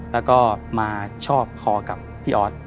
แล้วก็มาชอบคอกับพี่ออส